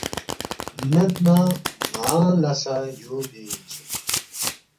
مید نہ ن٘انگ لہ سہ یو بے اِنسُوک